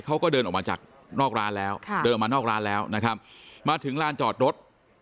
เขาก็เดินออกมาจากนอกร้านแล้วมาถึงลานจอดรถ